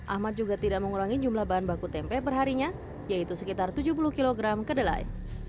ahmad juga tidak mengurangi jumlah bahan baku tempe perharinya yaitu sekitar tujuh puluh kg kedelai